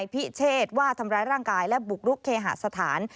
พิเชษว่าทำร้ายร่างกายและบุกรุกเคหาสถาน